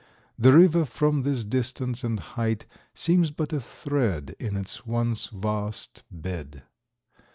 The river from this distance and height seems but a thread in its once vast bed.